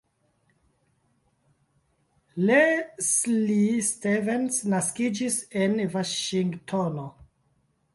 Leslie Stevens naskiĝis en Vaŝingtono.